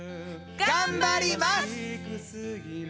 頑張ります！